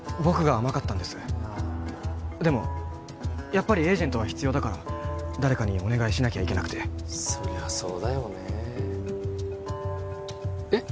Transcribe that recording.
やっぱりエージェントは必要だから誰かにお願いしなきゃいけなくてそりゃそうだよねえっ